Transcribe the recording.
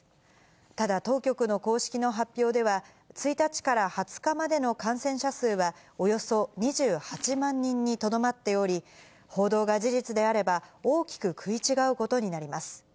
ただ、当局の公式の発表では、１日から２０日までの感染者数は、およそ２８万人にとどまっており、報道が事実であれば、大きく食い違うことになります。